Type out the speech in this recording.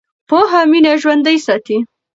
پوهه مینه ژوندۍ ساتي.